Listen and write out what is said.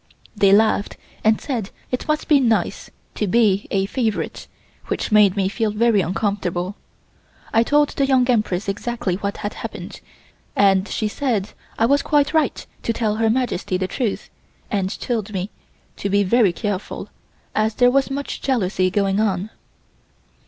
They laughed, and said it must be nice to be a favorite which made me feel very uncomfortable. I told the Young Empress exactly what had happened, and she said I was quite right to tell Her Majesty the truth and told me to be very careful as there was much jealousy going on.